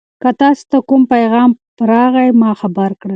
که تاسي ته کوم پیغام راغی ما خبر کړئ.